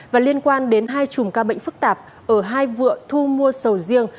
và liên quan đến hai trùm ca bệnh phức tạp ở hai vượn thu mua sầu riêng